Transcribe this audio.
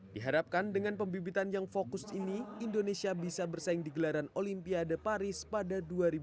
diharapkan dengan pembibitan yang fokus ini indonesia bisa bersaing di gelaran olimpiade paris pada dua ribu dua puluh